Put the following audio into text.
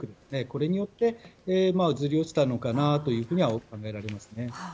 これによってずり落ちたのかなと考えられますね。